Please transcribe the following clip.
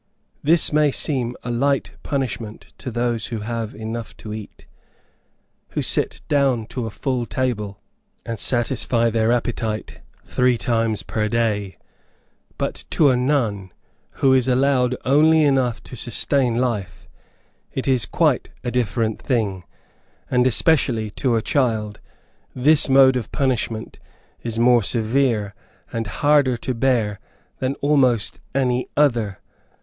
This may seem a light punishment to those who have enough to eat who sit down to a full table, and satisfy their appetite three times per day, but to a nun, who is allowed only enough to sustain life, it is quite a different thing. And especially to a child, this mode of punishment is more severe, and harder to bear than almost any other.